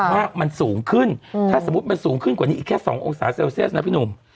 ว่ามันสูงขึ้นถ้าสมมุติมันสูงขึ้นกว่านี้อีกแค่๒องศาเซลเซียสนะพี่หนุ่ม